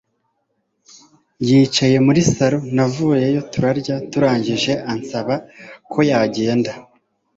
yicaye muri saloon navuyeyo turarya turangije ansaba ko yagenda